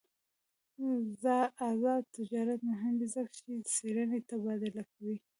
آزاد تجارت مهم دی ځکه چې څېړنې تبادله کوي.